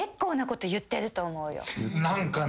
何かね。